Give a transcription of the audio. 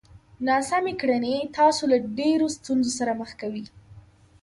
ناسمې کړنې تاسو له ډېرو ستونزو سره مخ کوي!